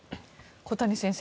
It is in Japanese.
小谷先生